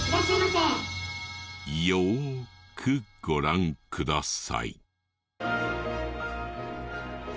よくご覧ください。